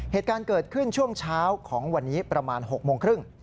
เหตุการณ์เกิดขึ้นช่วงเช้าของวันนี้ประมาณ๖โมงครึ่ง